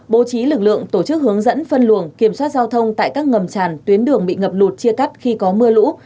bố trí lực lượng tổ chức hướng dẫn phân luồng kiểm soát giao thông tại các ngầm tràn tuyến đường bị ngập lụt chia cắt khi có mưa lũ